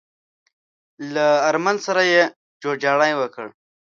له آرمل سره يې جوړجاړی وکړ.